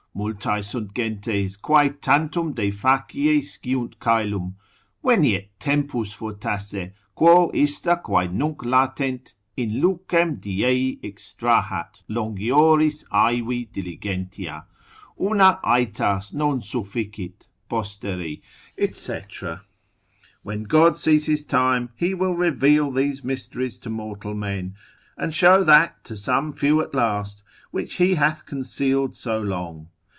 multae sunt gentes quae tantum de facie sciunt coelum, veniet, tempus fortasse, quo ista quae, nunc latent in lucem dies extrahat longioris aevi diligentia, una aetas non sufficit, posteri, &c., when God sees his time, he will reveal these mysteries to mortal men, and show that to some few at last, which he hath concealed so long.